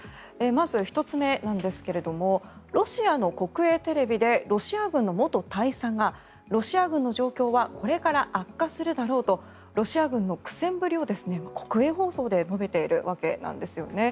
まず１つ目なんですけれどもロシアの国営テレビでロシア軍の元大佐がロシア軍の状況はこれから悪化するだろうとロシア軍の苦戦ぶりを国営放送で述べているわけなんですよね。